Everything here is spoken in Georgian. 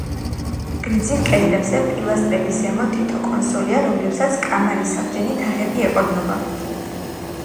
გრძივ კედლებზე, პილასტრების ზემოთ, თითო კონსოლია, რომლებსაც კამარის საბჯენი თაღები ეყრდნობა.